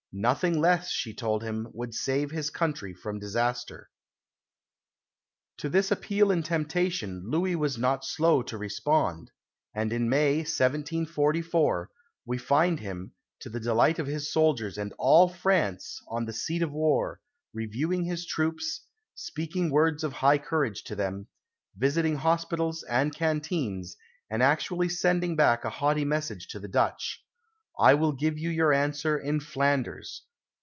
Nothing less, she told him, would save his country from disaster. To this appeal and temptation Louis was not slow to respond; and in May, 1744, we find him, to the delight of his soldiers and all France, at the seat of war, reviewing his troops, speaking words of high courage to them, visiting hospitals and canteens, and actually sending back a haughty message to the Dutch: "I will give you your answer in Flanders."